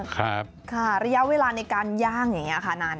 ครับค่ะระยะเวลาในการย่างอย่างนี้ค่ะนาน